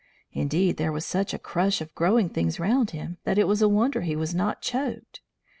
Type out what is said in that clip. Indeed, there was such a crush of growing things round him that it was a wonder he was not choked.